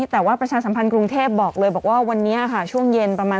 แต่ว่าประชาสัมพันธ์กรุงเทพบอกเลยบอกว่าวันนี้ค่ะช่วงเย็นประมาณ